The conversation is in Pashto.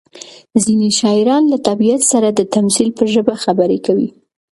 ځینې شاعران له طبیعت سره د تمثیل په ژبه خبرې کوي.